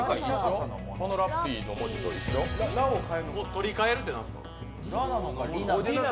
取り替えるって何ですか？